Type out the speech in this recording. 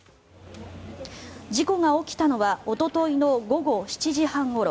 事故が起きたのはおとといの午後７時半ごろ。